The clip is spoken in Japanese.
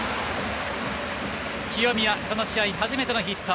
清宮、この試合初めてのヒット。